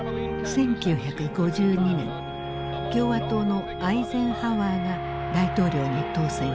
１９５２年共和党のアイゼンハワーが大統領に当選する。